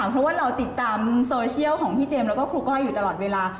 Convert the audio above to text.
เพราะว่าเราติดตามโซเชียลของพี่เจมส์แล้วก็ครูก้อยอยู่ตลอดเวลา